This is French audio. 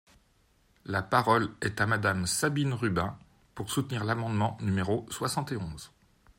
La parole est à Madame Sabine Rubin, pour soutenir l’amendement numéro soixante et onze.